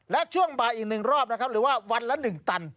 และช่วงบ่ายอีก๑รอบนะครับหรือว่าวันละ๑ตัน